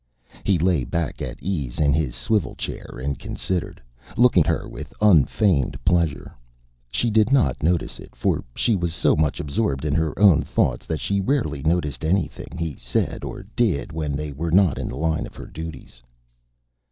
He lay back at ease in his swivel chair and considered, looking at her with unfeigned pleasure. She did not notice it, for she was so much absorbed in her own thoughts that she rarely noticed anything he said or did when they were not in the line of her duties.